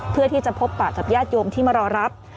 เพื่อที่จะพบปะกับญาติโยมที่มารอรับ